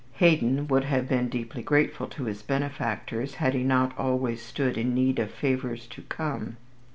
Haydon would have been deeply grateful to his benefactors, had he not always stood in need of favours to come.